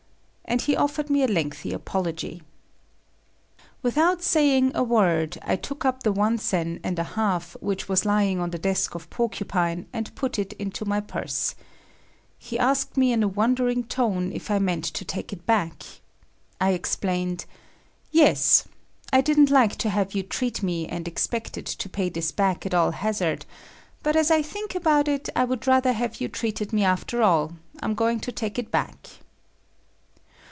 And he offered me a lengthy apology. Without saying a word, I took up the one sen and a half which was lying on the desk of Porcupine, and put it into my purse. He asked me in a wondering tone, if I meant to take it back. I explained, "Yes. I didn't like to have you treat me and expected to pay this back at all hazard, but as I think about it, I would rather have you treated me after all; so I'm going to take it back."